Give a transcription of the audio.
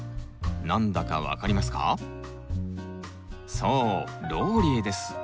そうローリエです！